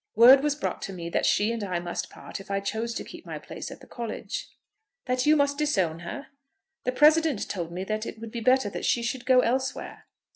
"Word was brought to me that she and I must part if I chose to keep my place at the College." "That you must disown her?" "The President told me that it would be better that she should go elsewhere.